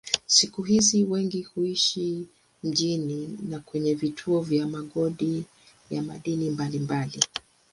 Siku hizi wengi huishi mjini na kwenye vituo vya migodi ya madini mbalimbali.